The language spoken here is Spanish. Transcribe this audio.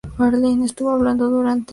Estuvo hablando durante una hora.